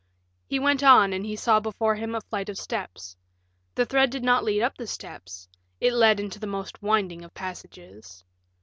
He went on, and he saw before him a flight of steps. The thread did not lead up the steps; it led into the most winding of passages.